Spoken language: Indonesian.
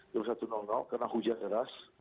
karena hujan keras